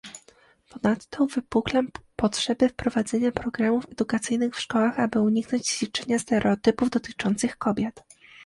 Ponadto uwypuklam potrzebę wprowadzenia programów edukacyjnych w szkołach, aby uniknąć dziedziczenia stereotypów dotyczących kobiet